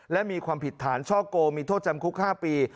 และมีความผิดฐานช่อโกงมีโทษจำคุก๕ปี